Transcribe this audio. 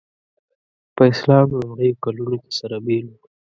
په اسلام لومړیو کلونو کې سره بېل وو.